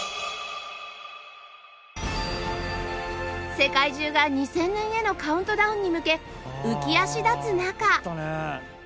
世界中が２０００年へのカウントダウンに向け浮足立つ中